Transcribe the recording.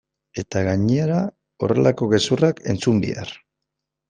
Eta gainera horrelako gezurrak entzun behar!